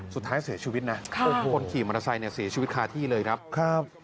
สุดท้ายเสียชีวิตนะคนขี่มอเตอร์ไซค์เนี่ยเสียชีวิตคาที่เลยครับครับ